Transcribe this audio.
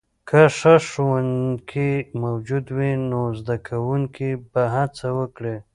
که ښه ښوونکې موجود وي، زده کوونکي به هڅه وکړي.